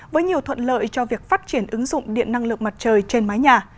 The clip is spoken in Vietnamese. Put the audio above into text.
với nhiều thuận lợi cho việc phát triển ứng dụng điện năng lượng mặt trời trên mái nhà